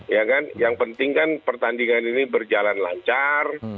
ya kan yang penting kan pertandingan ini berjalan lancar